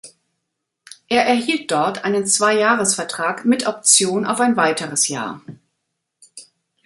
Er erhielt dort einen Zweijahresvertrag mit Option auf ein weiteres Jahr.